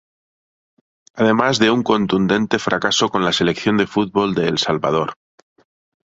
Además de un contundente fracaso con la selección de fútbol de El Salvador.